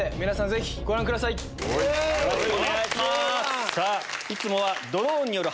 皆さんぜひご覧ください。イェイ！